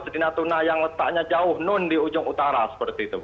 di natuna yang letaknya jauh non di ujung utara seperti itu